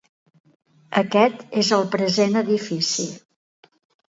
Aquest és el present edifici.